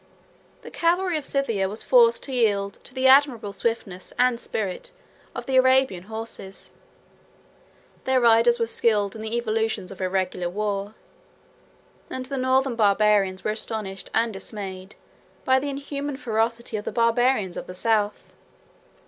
The cavalry of Scythia was forced to yield to the admirable swiftness and spirit of the Arabian horses: their riders were skilled in the evolutions of irregular war; and the Northern Barbarians were astonished and dismayed, by the inhuman ferocity of the Barbarians of the South.